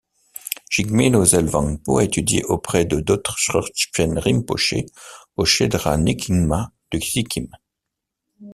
Jigmé Losel Wangpo a étudié auprès de Dodrupchen Rinpoché au Shedra Nyingma du Sikkim.